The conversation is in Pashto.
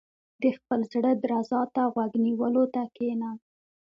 • د خپل زړۀ درزا ته غوږ نیولو ته کښېنه.